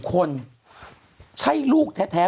คุณหนุ่มกัญชัยได้เล่าใหญ่ใจความไปสักส่วนใหญ่แล้ว